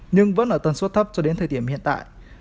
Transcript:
nhưng vẫn ở tần suất thấp cho đến thời điểm hiện tại